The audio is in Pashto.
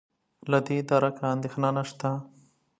له دې درکه اندېښنه نشته.